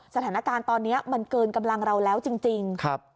สถานการณ์ตอนนี้มันเกินกำลังเราแล้วจริง